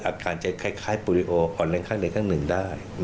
อาการจะคล้ายปูริโออ่อนแรงข้างใดข้างหนึ่งได้